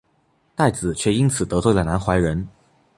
戴梓却因此得罪了南怀仁。